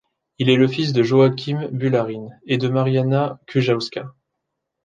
Il est le fils de Joachim Bułharyn et de Marianna Kujawska.